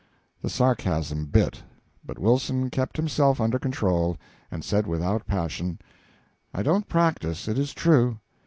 The sarcasm bit, but Wilson kept himself under control, and said without passion: "I don't practise, it is true.